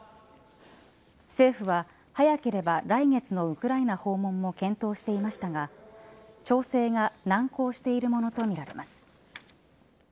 政府は早ければ来月のウクライナ訪問も検討していましたが調整が難航しているものとみられます。